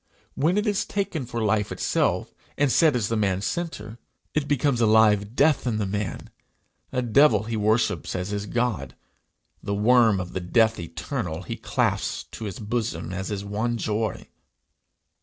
When it is taken for life itself, and set as the man's centre, it becomes a live death in the man, a devil he worships as his god; the worm of the death eternal he clasps to his bosom as his one joy!